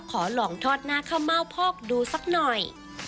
ขอลองทอดหน้าข้าวเม่าพอกดูสักหน่อย